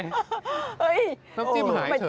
น้ำจิ้มหายเฉย